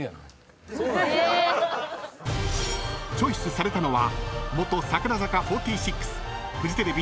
［チョイスされたのは］